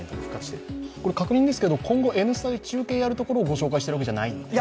確認ですけれども、今後、「Ｎスタ」が中継やるところをご紹介しているんじゃないんですか？